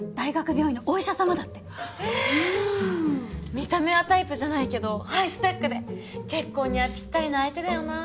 見た目はタイプじゃないけどハイスペックで結婚にはぴったりな相手だよな。